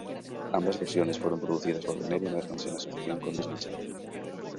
Ambas versiones fueron producidas por The Media Merchants en asociación con Disney Channel.